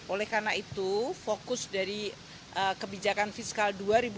oleh karena itu fokus dari kebijakan fiskal dua ribu dua puluh